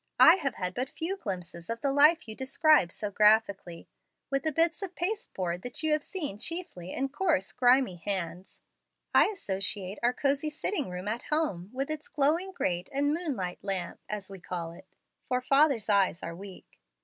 "I have had but few glimpses of the life you describe so graphically. With the bits of pasteboard that you have seen chiefly in coarse, grimy hands, I associate our cosey sitting room at home, with its glowing grate and 'moon light lamp,' as we call it, for father's eyes are weak.